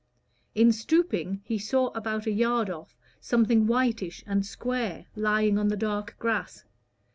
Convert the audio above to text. In stooping he saw about a yard off something whitish and square lying on the dark grass.